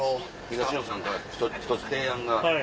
東野さんから１つ提案が。